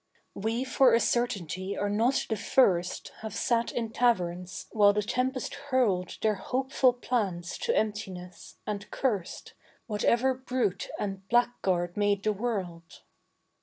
We for a certainty are not the first Have sat in taverns while the tempest hurled Their hopeful plans to emptiness, and cursed Whatever brute and blackguard made the world.